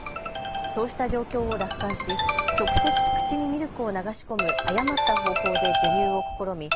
そうした状況を楽観し直接、口にミルクを流し込む誤った方法で授乳を試み